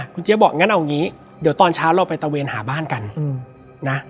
คุณเจ๊บอกงั้นเอางี้เดี๋ยวตอนเช้าเราไปตะเวนหาบ้านกันนะ